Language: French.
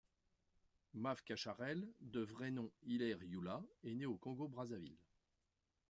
Mav Cacharel, de vrai nom Hilaire Youla, est né au Congo-Brazzaville.